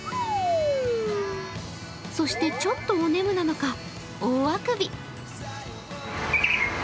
そしてちょっとおねむなのか、大あくび。